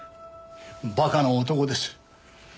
バカな男です。